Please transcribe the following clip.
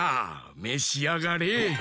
めしあがれ！